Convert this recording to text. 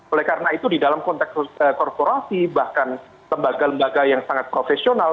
oleh karena itu di dalam konteks korporasi bahkan lembaga lembaga yang sangat profesional